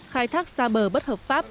khai thác xa bờ bất hợp pháp